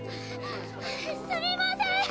すみません！